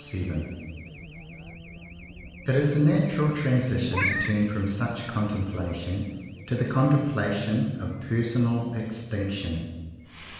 89 VII IT IS A natural transition to turn from such contemplations to the contempla tion of personal extinction.